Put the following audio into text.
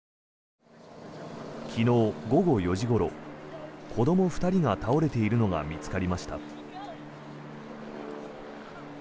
昨日午後４時ごろ子ども２人が倒れているのが見つかりました。